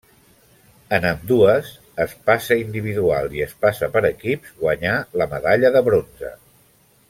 En ambdues, espasa individual i espasa per equips, guanyà la medalla de bronze.